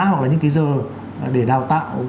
hoặc là những cái giờ để đào tạo